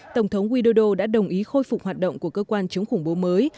tổng thống widodo đã đồng ý khôi phục hoạt động của cơ quan chống khủng bố mới